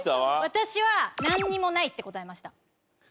私はなんにもないって答えました。